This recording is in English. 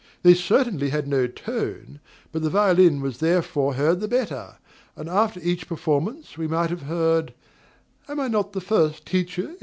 They certainly had no tone, but the violin was therefore heard the better; and after each performance we might have heard, "Am I not the first teacher in Europe?"